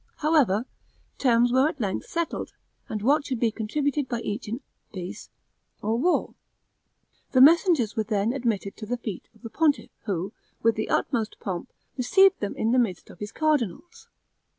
However, terms were at length settled, and what should be contributed by each in peace or war. The messengers were then admitted to the feet of the pontiff, who, with the utmost pomp, received them in the midst of his cardinals.